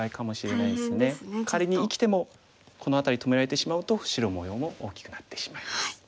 仮に生きてもこの辺り止められてしまうと白模様も大きくなってしまいます。